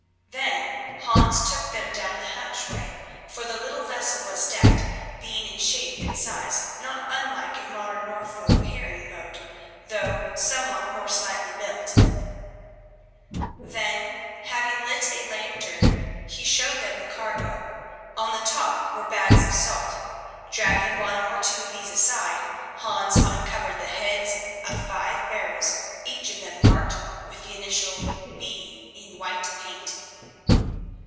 Then Hans took them down the hatchway, for the little vessel was decked, being in shape and size not unlike a modern Norfolk herring boat, though somewhat more slightly built. Then having lit a lantern, he showed them the cargo. On the top were bags of salt. Dragging one or two of these aside, Hans uncovered the heads of five barrels, each of them marked with the initial B in white paint.